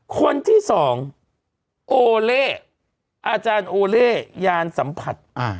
คนที่สองโอเล่อาจารย์โอเล่ยานสัมผัส